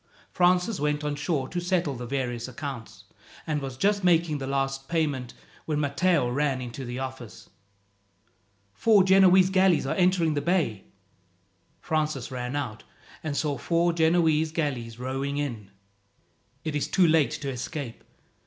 Francis went on shore to settle the various accounts, and was just making the last payment when Matteo ran into the office. "Four Genoese galleys are entering the bay!" Francis ran out, and saw four Genoese galleys rowing in. "It is too late to escape.